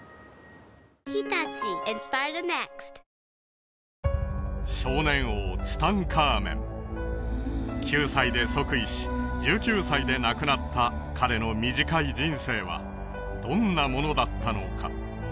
このあとは少年王ツタンカーメン９歳で即位し１９歳で亡くなった彼の短い人生はどんなものだったのか？